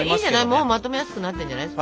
もうまとめやすくなってんじゃない？